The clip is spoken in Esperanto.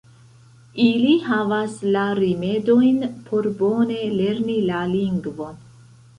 Ili havas la rimedojn por bone lerni la lingvon.